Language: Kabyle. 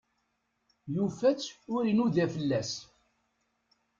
Yufa-tt ur inuda fell-as.